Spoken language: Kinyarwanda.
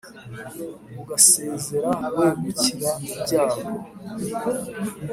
ugasezera wegukira ibyago